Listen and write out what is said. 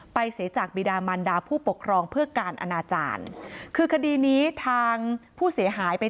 เสียจากบีดามันดาผู้ปกครองเพื่อการอนาจารย์คือคดีนี้ทางผู้เสียหายไป